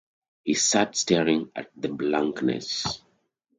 He sat staring at the blankness.